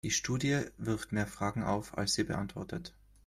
Die Studie wirft mehr Fragen auf, als sie beantwortet.